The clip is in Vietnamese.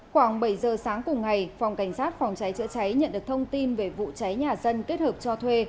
khoảng bảy giờ sáng cùng ngày phòng cảnh sát phòng cháy chữa cháy nhận được thông tin về vụ cháy nhà dân kết hợp cho thuê